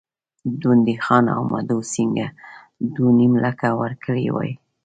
ډونډي خان او مدو سینګه دوه نیم لکه ورکړي وای.